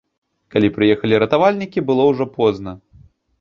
Калі прыехалі ратавальнікі, было ўжо позна.